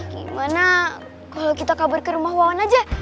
gimana kalau kita kabar ke rumah wawan aja